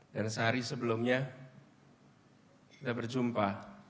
dan sehari sebelumnya kita berjumpa